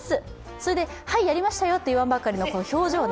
それで、はいやりましたよといわんばかりの表情ね。